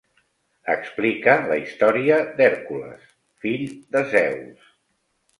Explica la història d'Hèrcules, fill de Zeus.